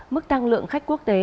mức tăng lượng khách quốc tế